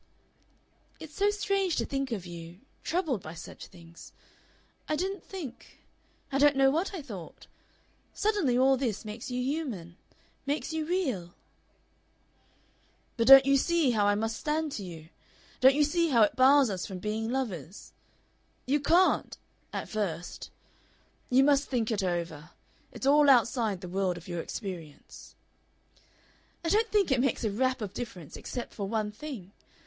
"It's so strange to think of you troubled by such things. I didn't think I don't know what I thought. Suddenly all this makes you human. Makes you real." "But don't you see how I must stand to you? Don't you see how it bars us from being lovers You can't at first. You must think it over. It's all outside the world of your experience." "I don't think it makes a rap of difference, except for one thing.